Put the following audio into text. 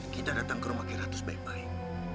kita datang ke rumah kira kira baik baik